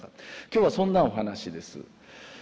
今日はそんなお話です。